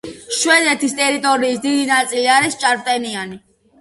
შვედეთის ტერიტორიის დიდი ნაწილი არის ჭარბტენიანი.